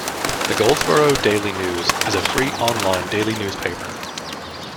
The Goldsboro Daily News is a free online daily newspaper.